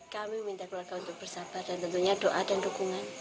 kami minta keluarga untuk bersabar dan tentunya doa dan dukungan